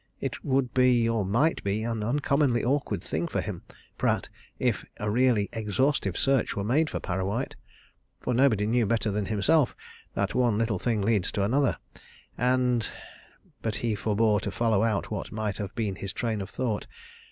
It would be or might be an uncommonly awkward thing for him, Pratt, if a really exhaustive search were made for Parrawhite. For nobody knew better than himself that one little thing leads to another, and but he forbore to follow out what might have been his train of thought.